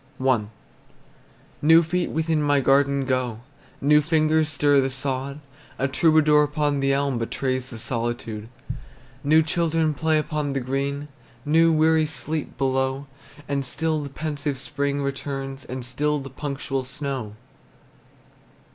I. New feet within my garden go, New fingers stir the sod; A troubadour upon the elm Betrays the solitude. New children play upon the green, New weary sleep below; And still the pensive spring returns, And still the punctual snow!